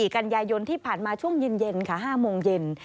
กันยายนที่ผ่านมาช่วงเย็นค่ะ๕โมงเย็น